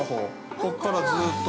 ここからずっと。